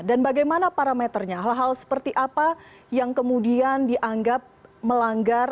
dan bagaimana parameternya hal hal seperti apa yang kemudian dianggap melanggar